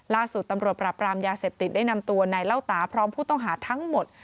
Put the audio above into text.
ล่าสุดตำรวจปราบรามยาเสพติดได้นำตัวนายเล่าตาพร้อมผู้ต้องหาทั้งหมด